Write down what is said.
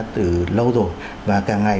từ lâu rồi và càng ngày